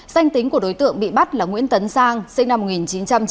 danh tính của đối tượng bị bắt là nguyễn tấn sang sinh năm một nghìn chín trăm chín mươi